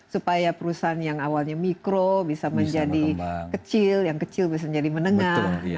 supaya perusahaan yang awalnya mikro bisa menjadi kecil yang kecil bisa menjadi menengah